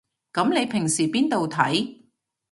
噉你平時邊度睇